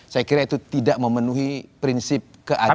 saya kira itu tidak memenuhi prinsip keadilan